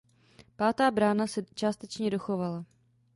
Pátá brána se částečně dochovala.